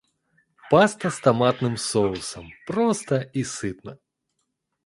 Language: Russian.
Паста с томатным соусом - просто и сытно.